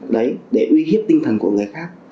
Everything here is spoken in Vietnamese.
đấy để uy hiếp tinh thần của người khác